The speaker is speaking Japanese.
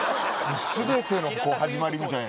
全ての始まりみたいな。